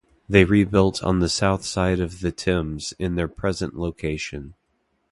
They rebuilt on the south side of the Thames in their present location.